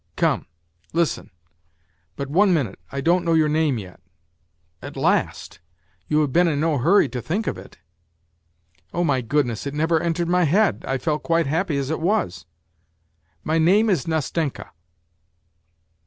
Come, listen. ... But one minute, I don't know your name yet." " At last ! You have been in no hurry to think of it !"" Qh, my goodness J_ It never entered my head, I felt quite i happy as it was. ..."" My name is Nastenka."